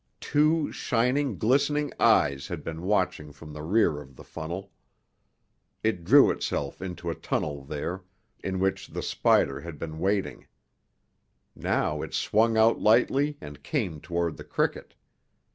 Two shining, glistening eyes had been watching from the rear of the funnel. It drew itself into a tunnel there, in which the spider had been waiting. Now it swung out lightly and came toward the cricket.